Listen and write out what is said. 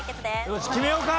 よし決めようか！